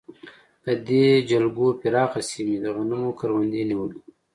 د دې جلګو پراخه سیمې د غنمو کروندو نیولې.